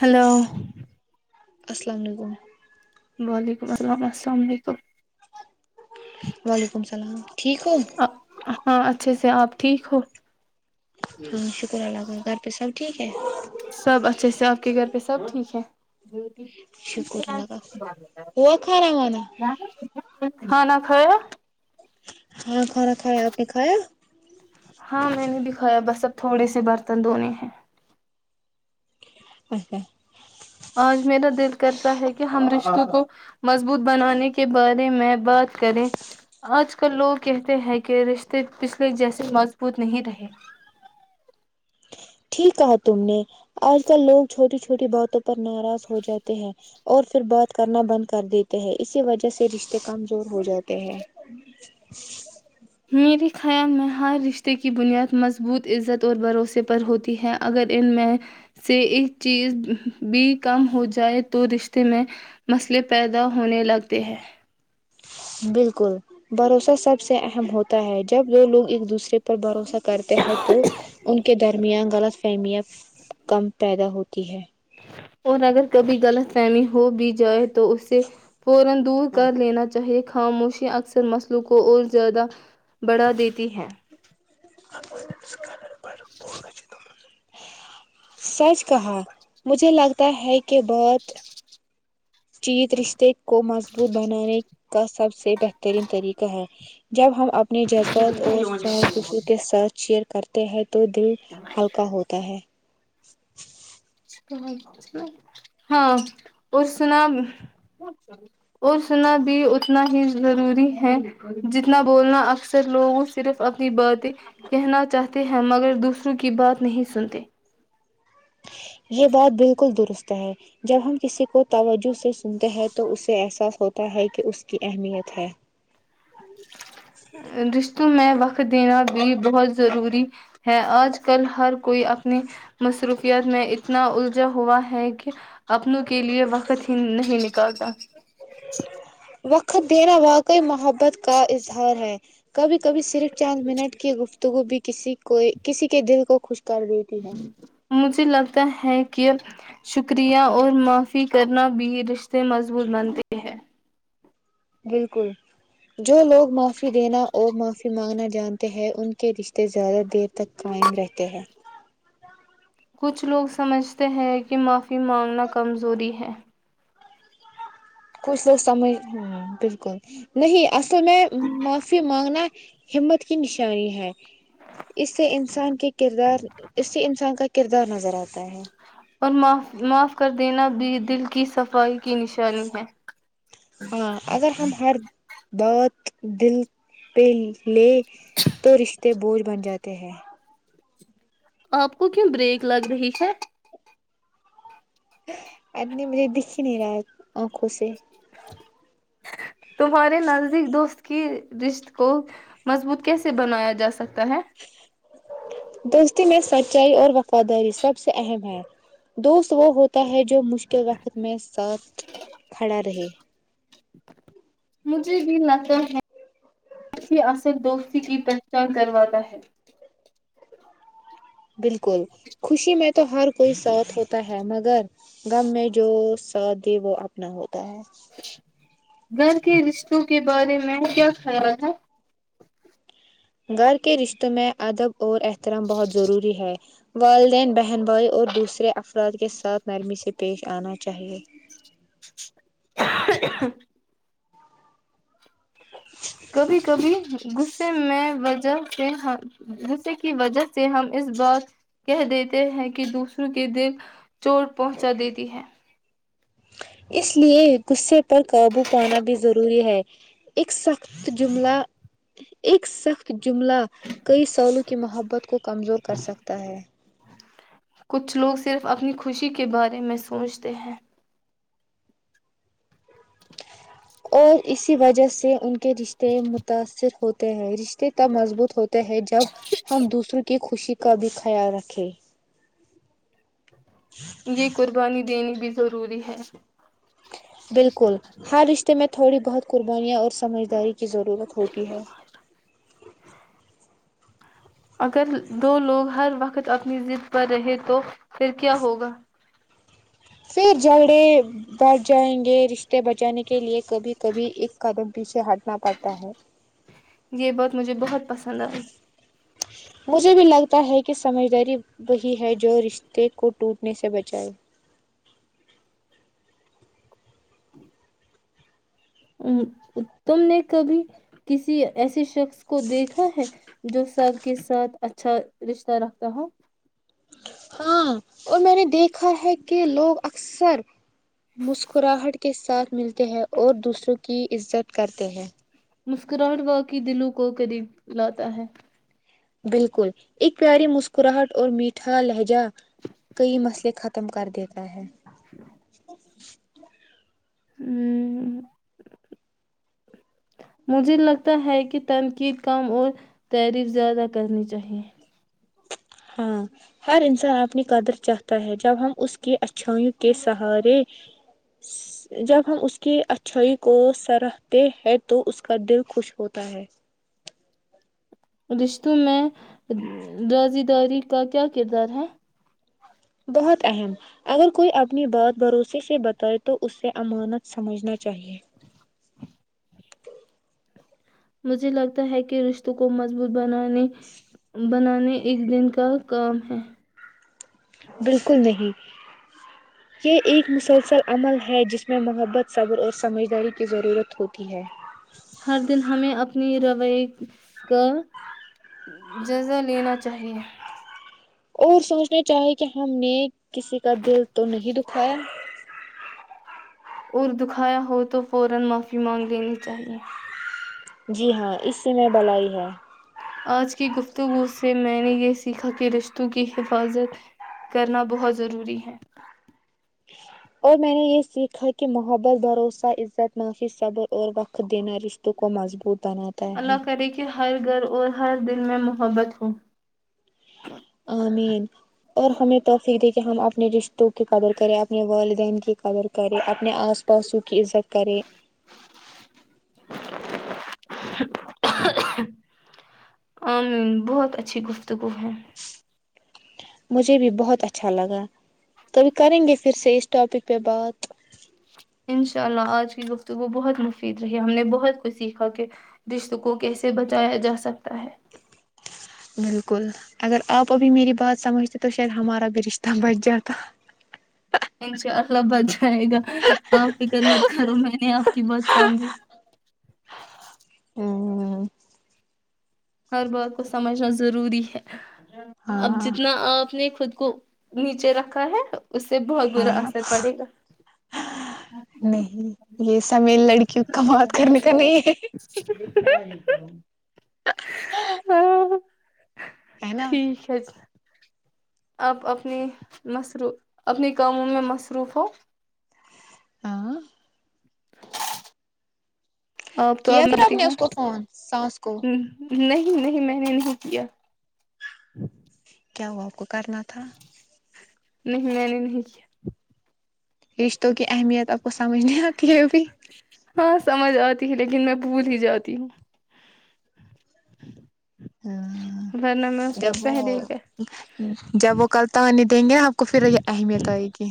hello السلام علیکم وعلیکم السلام السلام علیکم وعلیکم السلام ٹھیک ہو ہاں اچھا ا سے آپ ٹھیک ہو ہاں شکر اللہ کا گھر پہ سب ٹھیک ہے سب اچھے سے آپ کے گھر پہ سب ٹھیک ہے شکر اللہ کا ہوا کھانا وانا ہ [inaudible] خ [inaudible] ہاں کھانا کھایا آپ نے کھایا ہاں میں نے دکھایا بس اب تھوڑے سے برتن دھونے ہیں اچھا آج میرا دل کرتا ہے کہ ہم رشتوں کو مضبوط بنانے کے بارے میں بات کریں آج کل لوگ کہتے ہیں کہ رشتے پچھلے جیسے مضبوط نہیں رہے ٹھیک کہا تم نے آج کل لوگ چھوٹی چھوٹی باتوں پر ناراض ہو جاتے ہیں اور پھر بات کرنا بند کر دیتے ہیں اسی وجہ سے رشتے کمزور ہو جاتے ہیں خیام میں ہر رشتے کی بنیاد مضبوط عزت اور بھروسے پر ہوتی ہے اگر ان میں سے ایک چیز بھی کم ہو جائے تو رشتے میں مسئلے پیدا ہونے لگتے ہیں بالکل بھروسہ سب سے اہم ہوتا ہے جب دو لوگ ایک دوسرے پر بھروسہ کرتے ہیں تو ان کے درمیان غلط فہمت کم پیدا ہوتی ہے اور اگر کبھی غلط فہمی ہو بھی جائے تو اسے دور کر لینا چاہے خاموشیا اکثر مسلو کو اور زیادہ بڑھا دیتی ہے سچ کہا مجھے لگتا ہے کہ بہت چیت رشتے کو مضبوط بنانے کا سب سے بہترین طریقہ ہے جب ہم اپنے جذبات اور سوچ دوسروں کے ساتھ شیئر کرتے ہیں تو دل ہلکا ہوتا ہے [inaudible] ہاں اور سنا اور سنا بھی اتنا ہی ضروری ہے جتنا بولنا اکثر لوگوں صرف باتیں کہنا چاہتے ہیں مگر دوسروں کی بات نہیں سنتے یہ بات بالکل درست ہے جب ہم کسی کو باوجود سے سنتے ہیں تو اسے احساس ہوتا ہے کہ اس کی اہمیت ہے رشتو میں وہ وقت دینا بھی بہت ضروری ہے آج کل ہر کوئی اپنی مصروفیات میں اتنا الجھا ہوا ہے کہ اپنوں کے لیے وقت ہی نہیں نکالتا وقت نا واقع محبت کا اظہار ہے کبھی کبھی صرف چار منٹ کی گفتگو بھی کسی کو کسی کے دل کو خوش کر دیتی ہے مجھے لگتا ہے کہ شکریہ اور معاف [inaudible] بالکل جو لوگ معافی دینا اور معافی مانگنا جانتے ہیں ان کے رشتے زیادہ دیر تک قائم رہتے ہیں کچھ لوگ سمجھتے ہیں کہ معافی مانگنا کمزوری ہے کچھ لوگ سمجھنا ہبالکل نہیں تو میں معافی مانگنا ہمت کی نشانی ہے اس سے انسان کے کردار اس سے انسان کا کردار نظر آتا ہے اور معاف معاف کر دینا بھی دل کی صفائی کی نشانی ہے ہاں اگر ہم ہر بات دل پہ لے تو رشتے بوجھ بن جاتے ہیں آپ کو کیوں بریک لگ رہی ہے آدمی مجھے دکھ ہی نہیں رہا ہے آنکھوں سے تمہارے نزدیک دوست کی رشت کو مضبوط کیسے بنایا جا سکتا [inaudible] دوستی میں سچائی اور وفاداری سب سے اہم ہے دوست وہ ہوتا ہے جو مش تو وقت میں ساتھ کھڑا رہے مجھے بھی لگتا ہے اصل دوستی کی پہچان کرواتا ہے بالکل خوشی میں تو ہر کوئی ساتھ ہوتا ہے مگر غم میں جو ساتھ دے وہ اپنا ہوتا [inaudible] گھر کے رشتوں گھر کے رشتوں میں ادب اور طرح بہت ضروری ہے والدین بہن بھائی اور دوسرے افراد کے ساتھ نرمی سے پیش آنا چاہیے [inaudible] کبھی کبھی غصے میں رشتے کی وجہ سے ہم اس بات کہ دیتے ہیں کہ دوسروں کے دل چوٹ پہنچا دیتی ہے اس لیے غصے پر قابو پانا بھی ضروری ہے ایک سخت جملہ ایک سخت جملہ کئی سالوں کی محبت کو کمزور کر سکتا ہے کچھ لوگ صرف اپنی خوشی کے بارے میں سوچتے ہیں اور اسی وجہ سے ان کے رشتے متاثر ہوتے ہیں رشتے تب مضبوط ہوتے ہیں جب ہم دوسروں کی خوشی کا بھی خیال رکھے یہ قربانی دینی بھی ضروری ہے بالکل ہر رشتے میں تھوڑی بہت قربانیاں اور سمجھداری کی ضرورت ہوتی ہے اگر دو لوگ ہر وقت اپنی ضد پر رہے تو پھر کیا ہوگا پھر جھگڑے بٹ جائیں گے رشتے بچانے کے لئے کبھی کبھی ایک قدم پیچھے ہٹنا پڑتا ہے یہ بات مجھے بہت پسند آئی مجھے بھی لگتا ہے کہ سمجھداری وہی ہے جو رشتے کو ٹوٹنے سے بچائے اتم نے کبھی کسی ایسے شخص اس کو دیکھا ہے جو سب کے ساتھ اچھا رشتہ رکھتا ہو ہاں اور میں نے دیکھا ہے کہ لوگ اکثر مسکراہٹ کے ساتھ ملتے ہیں اور دوسروں کی عزت کرتے ہیں مسکراہٹ وا کیی دلوں کو قریب لاتا ہے بالکل ایک پیاری مسکراہٹ اور میٹھا لہجہ کئی مسئلے ختم ختم کر دیتا ہے اچھ [unintelligible] مجھے لگتا ہے کہ تنقید کم اور تعریف زیادہ کرنی چاہیے ہاں ہر انسان اپنی قدر چاہتا ہے جب ہم اس کی اچھائیوں کے سہارے جب ہم اس کی اچھائیوں کو سرتے ہیں تو اس کا دل خوش ہوتا ہے رشتوں میں رازی داری کا کیا کردار ہے بہت اہم اگر کوئی اپنی بات بھروسے سے بتائے تو اسے امانت سمجھنا چاہیے مجھے لگتا ہے کہ رشتوں کو مضبوط بنانی بنانے ایک دن کا کام ہے بالکل نہیں یہ ایک مسلسل عمل ہے جس میں محبت صبر اور سمجھداری کی ضرورت ہوتی ہے ہر دن ہمیں اپنی روی کا جزا لینا چاہیے اور سوچنا چاہے کہ ہم نے کسی کا دل تو نہیں دکھایا [unintelligible] جی ہاں اس سے میں بھل ہی ہے آج کی گفتگو سے میں نے یہ سیکھا کہ رشتوں کی حفاظت کرنا بہت ضروری ہے اور میں نے یہ سیکھا کہ محبت بھروسہ عزت معافی صبر اور وقت دینا رشتوں کو مضبوط بناتتا ہے اللہ [inaudible] کرے کہ ہر گھر اور ہر دل میں محبت ہو آمین اور ہمیں توفق د کہ ہم اپنے رشتوں کی قدر کریں اپنے والدین کی قدر کریں اپنے آس پاسوں کی عزت کرے بہت اچھی گفتگو ہے مجھے بھی بہت اچھا لگا توبھی کریں گے پھر سے اس ٹاپک پہ بات ان شاء اللہ آج کی گفتگو بہت مفید رہی ہم نے بہت کچھ سیکھا کہ رشت کو کیسے بچایا جا سکتا ہے بالکل اگر آپ ابھی میری بات سمجھتے تو شاید ہمارا رشتہ بچ جاتا تو لبد رہ گا آپ فکر مت کرو میں نے آپ کی بات سمجھی ہوں ہر بات کو سمجھنا ضروری ہے اب ہاں جتنا آپ نے خود کو نیچے رکھا ہے اس سے بہت برا ہاں اثر پڑے گا نہیں یہ سمیل لڑکیوں کا مات کرنے کا نہیں ہے [unintelligible] ہے نا ٹھیک ہے ج آپ اپنی مصرو اپنی کاموں میں مصروف ہو ہاں [inaudible] آپ تو کیا اب پھر آپ متی نے ہو اس کو فون سانس کو نہیں نہیں میں نے نہیں کیا کیا ہوا کچھ ناٹھا نہیں میں نے نہیں کیا رشتوں کی اہمیت آپ کو سمجھنے ہاں سمجھ آتی لیکن میں بھول ہی جاتی ہوں ہاں ورنہ میں اس جب کو وہ پہلے ہی کہ جب وہ کلتاانی دیں گے ن آپ کو پھر اہمیت آئے گی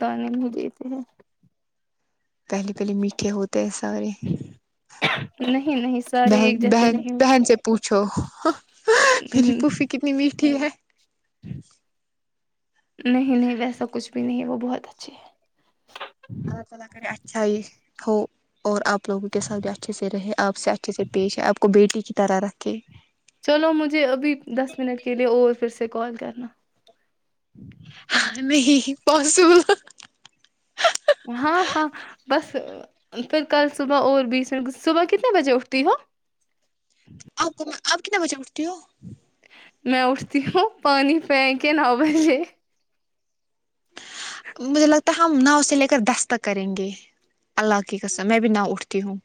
ان نہیں دیتے ہیں پہلے پہلے میٹھے ہوتے ہیں سارے نہیں نہیں سارے بہن ایک جیسے بہن نہیں بہن سے پوچھو میری پھوفھی کتنی میٹھی ہے نہیں نہیں ویسا کچھ بھی نہیں ہے وہ بہت اچھے ہے اللہ تالی کری اچ چاہے ہو اور آپ لوگوں کے ساتھ بھی اچھے سے رہے آپ سے اچھے سے پیش ہے آپ کو بیٹی کی طرح رکھے چلو مجھے ابھی دس منٹ کے لیے اور پھر سے کال کرنا ہاں نہیں پسبل ہاں ہاں بس پھر کل صبح اور بیچ میں صبح کتنے بجے اٹھتی ہو آپ کو آپتنا بچا ہٹو میں اٹھتی ہوں پانی پہن کے نو بجے مجھے لگتا ت ہم ناؤ سے لے کر دستک کریں گے اللہ کی کسر میں بھی ناؤ اٹھتی ہوں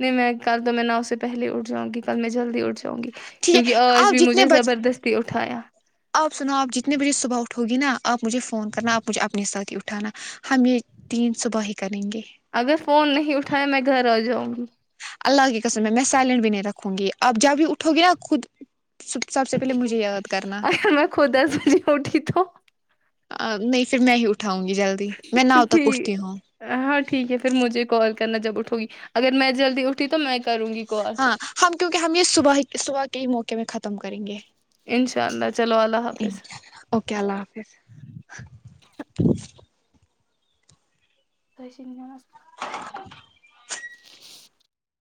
نہیں میں کل تو میں ناؤ سے پہلے اٹھ جاؤں گی کل میں جلدی ا جاں ٹھیک ہے آپ جتنے بجے زبردستی اٹھایا آپ سنو آپ جتنے بجے صبح اٹھو گی نا آپ مجھے فون کرنا آپ مجھے اپنے ساتھ ہی اٹھانا ہم یہ تین صبح ہی کریں گے اگر فون نہیں اٹھائے میں گھر آ جاؤں ہی اللہ کی قسم میں میں سائلینٹ بھی نہیں رکھوں گی آپ جب بھی اٹھو گی نا خود سب سے پہلے مجھے یاد کرنا ا میں خوداس بجی اٹھی تو نہیں پھر میں ہی اٹھ ٹھیک ہاں ٹھیک ہے پھر مجھے کال نا جب اٹھوی اگر میں جلدی اٹھی تو میں کیا ہاں ہم کیونکہ ہم یہ صبح صبح کئی موقع میں ختم کریں گے انشاء اللہ چلو اللہ حافظ اوکے اللہ حافظ خحیش نمس